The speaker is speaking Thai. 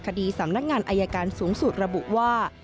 คดีสำนักงานอายการสูงสุดระบุว่า